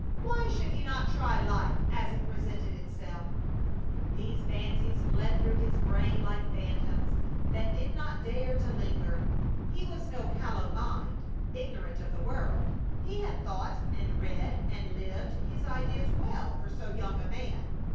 Why should he not try life as it presented itself? These fancies fled through his brain like phantoms that did not dare to linger. His was no callow mind, ignorant of the world. He had thought and read and lived his ideas well for so young a man.